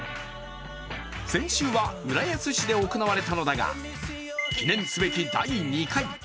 先週は浦安市で行われたのだが記念すべき第２回